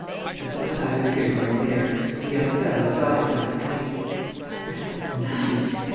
But that's neither here nor there the young fellow died that night." "That night!"